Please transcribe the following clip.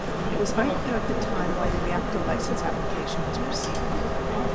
It was unclear at the time why the reactor license application was proceeding.